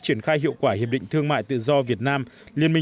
triển khai hiệu quả hiệp định thương mại tự do việt nam